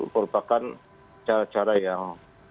merupakan cara cara yang